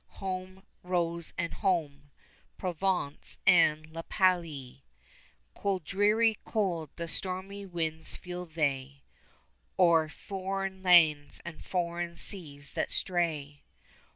Home, Rose, and home, Provence and La Palie. 15 Cold, dreary cold, the stormy winds feel they O'er foreign lands and foreign seas that stray.